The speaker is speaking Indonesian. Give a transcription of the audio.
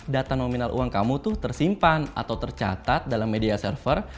data nominal uang kamu tuh tersimpan atau tercatat dalam media server